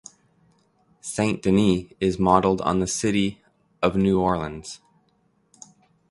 Saint Denis is modeled on the city of New Orleans.